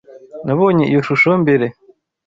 Nabonye iyo shusho mbere.